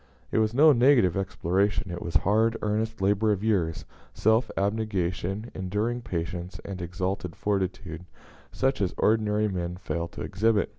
It was no negative exploration, it was hard, earnest labor of years, self abnegation, enduring patience, and exalted fortitude, such as ordinary men fail to exhibit.